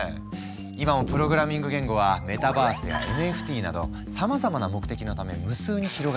今もプログラミング言語はメタバースやＮＦＴなどさまざまな目的のため無数に広がり続けている。